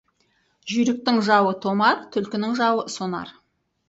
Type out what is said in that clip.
Жүйріктің жауы — томар, түлкінің жауы — сонар.